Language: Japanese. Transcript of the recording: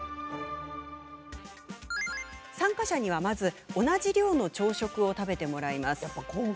参加者には、まず同じ量の朝食を食べてもらいます。